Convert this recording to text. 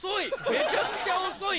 めちゃくちゃ遅い！